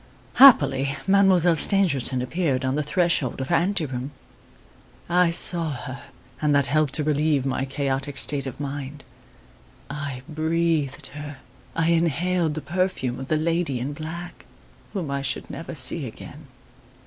"Happily, Mademoiselle Stangerson appeared on the threshold of her ante room. I saw her, and that helped to relieve my chaotic state of mind. I breathed her I inhaled the perfume of the lady in black, whom I should never see again.